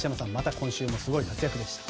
今週もすごい活躍でした。